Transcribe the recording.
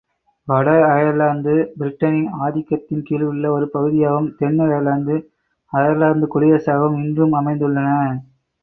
வட அயர்லாந்து பிரிட்டனின் ஆதிக்கத்தின் கீழுள்ள ஒரு பகுதியாகவும், தென் அயர்லாந்து, அயர்லாந்துக் குடியரசாகவும் இன்று அமைந்துள்ளன.